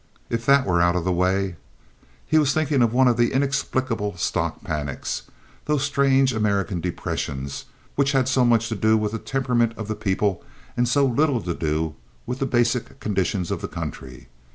If that were out of the way—" He was thinking of one of the inexplicable stock panics—those strange American depressions which had so much to do with the temperament of the people, and so little to do with the basic conditions of the country.